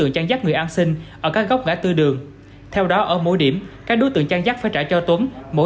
cảnh sát hình sự công an tp hcm